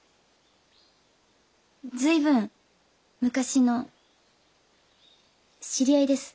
随分昔の知り合いです。